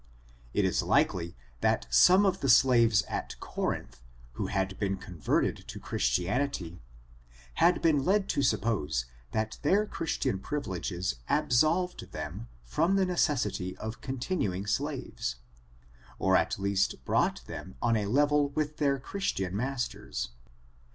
It is likely that some of the slaves at Corinth, who had been converted to Christianity, had been led to suppose that their Chris tian privileges absolved them from the necessity of continuing slaves, or at least brought them on a level with their Christian masters.